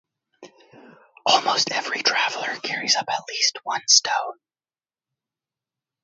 Almost every traveler carries up at least one stone.